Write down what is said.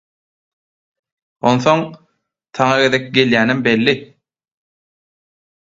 onsoň saňa gezek gelýänem belli.